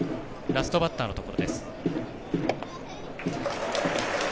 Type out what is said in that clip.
ラストバッターのところです。